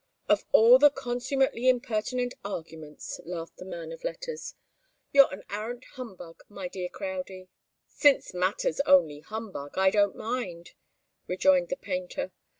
"Of all the consummately impertinent arguments!" laughed the man of letters. "You're an arrant humbug, my dear Crowdie." "Since matter's only humbug, I don't mind," rejoined the painter.